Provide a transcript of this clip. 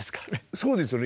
そうですよね。